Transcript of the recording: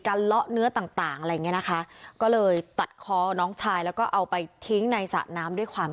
กันเลาะเนื้อต่างอะไรอย่างเงี้ยนะคะ